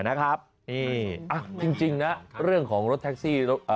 นะครับนี่จริงนะเรื่องของรถแท็กซี่